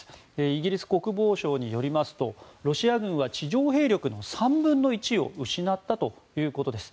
イギリス国防省によりますとロシア軍は地上兵力の３分の１を失ったということです。